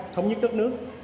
thống nhất đất nước